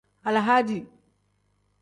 Alahadi.